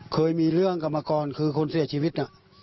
เคยมีเรื่องกลับมาก่อนคือคนเสียชีวิตน่ะ